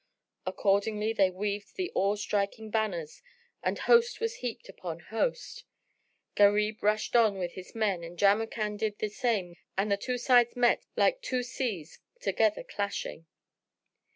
Accordingly they waved the awe striking banners and host was heaped on host; Gharib rushed on with his men and Jamrkan did the same and the two sides met like two seas together clashing.